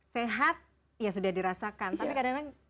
sehat ya sudah dirasakan tapi kadang kadang